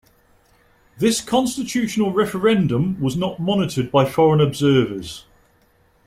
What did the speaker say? This constitutional referendum was not monitored by foreign observers.